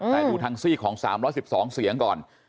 แต่ดูทางซีกของ๓๑๒เสียงก่อน